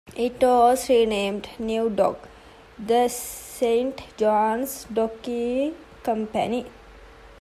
It was renamed NewDock-The Saint John's Dockyard Company.